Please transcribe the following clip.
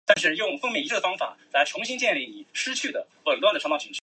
米斯特尔高是德国巴伐利亚州的一个市镇。